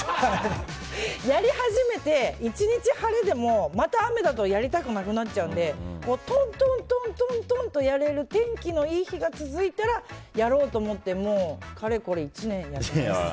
やり始めて、１日晴れでもまた雨だとやりたくなくなっちゃうんでとんとんってやれる天気のいい日が続いたらやろうと思ってもう、かれこれ１年やってないです。